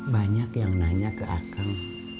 banyak yang nanya ke akang